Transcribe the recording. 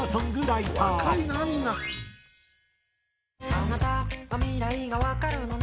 「あなたは未来がわかるのね」